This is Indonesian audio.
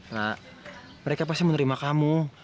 ra mereka pasti mau nerima kamu